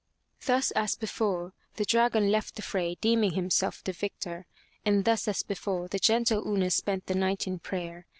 Thus as before the dragon left the fray deem ing himself the victor. And thus as before the gentle Una spent the night in prayer.